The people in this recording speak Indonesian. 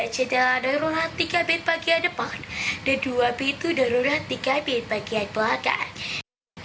dua jendela darurat tiga pintu bagian depan dan dua pintu darurat tiga pintu bagian belakang